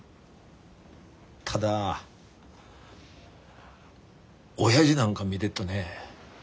ただおやじなんか見でっとね